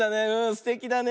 すてきだね。